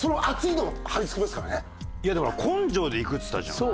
いやだから根性でいくって言ったじゃない。